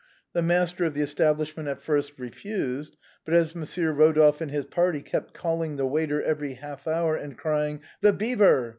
The master of the establishment at first refused; but as Mon sieur Eodolphe and his party kept calling the waiter every half hour, and crying :' The Beaver